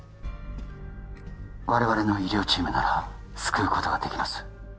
我々の医療チームなら救うことができます